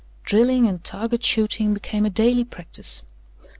Drilling and target shooting became a daily practice.